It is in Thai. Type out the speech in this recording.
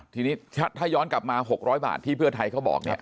ถ้าย้อนกลับมา๖๐๐บาทที่เพื่อไทยเขาบอก